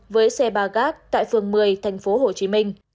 với xe bà gác tại phường một mươi tp hcm